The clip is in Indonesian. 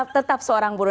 tetap seorang buruh